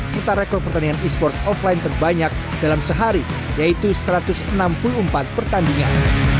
serta rekor pertandingan e sports offline terbanyak dalam sehari yaitu satu ratus enam puluh empat pertandingan